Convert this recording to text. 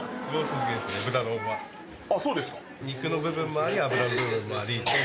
あそうですか。